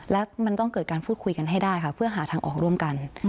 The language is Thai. และมันต้องเกิดการพูดคุยกันให้ได้ค่ะเพื่อหาทางออกร่วมกัน